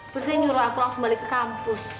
terus dia nyuruh aku langsung balik ke kampus